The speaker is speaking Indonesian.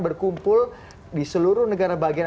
berkumpul di seluruh negara bagian